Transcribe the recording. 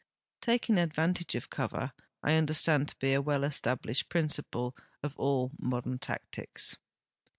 Taking advantage of cover I understand to be a well established j>rin ciple of all modern tactics.